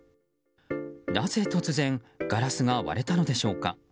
なぜ、突然ガラスが割れたのでしょうか。